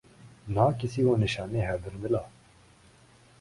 نہ کسی کو نشان حیدر ملا